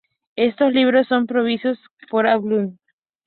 Estos libros son provistos por Audible.com.